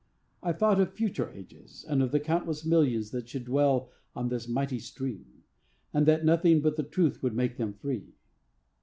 I thought of future ages, and of the countless millions that should dwell on this mighty stream; and that nothing but the truth would make them free.